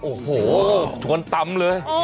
โอ้โฮทุกคนตำเลย